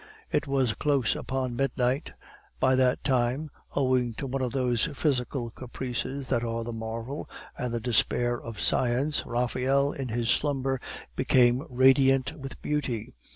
It was close upon midnight. By that time, owing to one of those physical caprices that are the marvel and the despair of science, Raphael, in his slumber, became radiant with beauty.